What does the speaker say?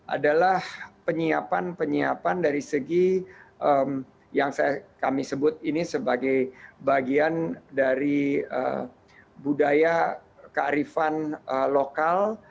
adalah penyiapan penyiapan dari segi yang kami sebut ini sebagai bagian dari budaya kearifan lokal